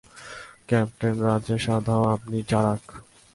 Captain Rajesh আধাউ, আপনি চারাক।